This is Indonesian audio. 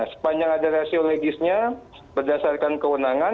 sepanjang ada rasiologisnya berdasarkan kewenangan